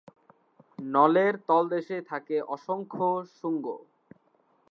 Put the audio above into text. নলের তলদেশে থাকে অসংখ্য শুঙ্গ।